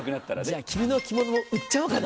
じゃあ君の着物も売っちゃおうかなもう。